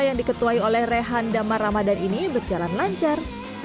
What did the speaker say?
yang diketuai oleh rehan damar ramadan ini berjalan lancar